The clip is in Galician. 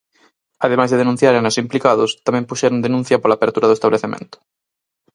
Ademais de denunciaren aos implicados, tamén puxeron denuncia pola apertura do establecemento.